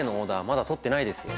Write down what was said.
まだとってないですよ。